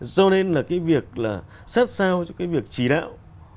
do nên việc sát sao cho việc chỉ đạo